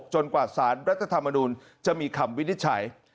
กว่าสารรัฐธรรมนุนจะมีคำวินิจฉัย